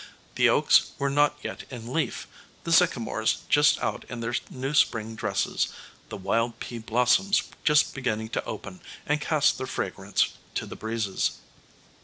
The oaks were not yet in leaf, the sycamores just out in their new spring dresses, the wild pea blossoms just beginning to open and cast their fragrance to the breezes.